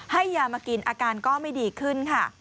ให้ยามากินอาการก็ไม่ดีขึ้นค่ะ